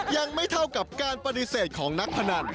ยังไม่เท่ากับการปฏิเสธของนักพนัน